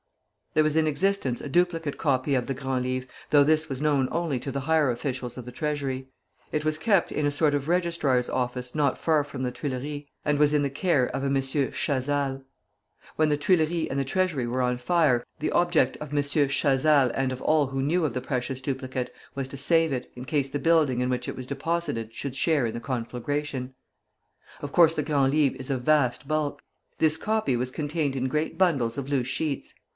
There was in existence a duplicate copy of the Grand Livre, though this was known only to the higher officials of the Treasury. It was kept in a sort of register's office not far from the Tuileries, and was in the care of a M. Chazal. When the Tuileries and the Treasury were on fire, the object of M. Chazal and of all who knew of the precious duplicate was to save it, in case the building in which it was deposited should share in the conflagration. Of course the Grand Livre is of vast bulk. This copy was contained in great bundles of loose sheets.